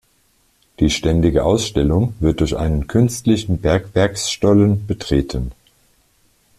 Die ständige Ausstellung wird durch einen künstlichen Bergwerksstollen betreten.